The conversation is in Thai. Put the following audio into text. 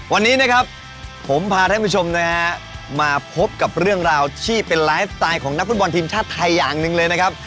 วันนี้นะครับผมพาท่านผู้ชมนะฮะมาพบกับเรื่องราวที่เป็นไลฟ์สไตล์ของนักฟุตบอลทีมชาติไทยอย่างหนึ่งเลยนะครับ